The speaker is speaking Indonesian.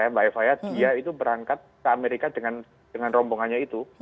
mbak eva ya dia itu berangkat ke amerika dengan rombongannya itu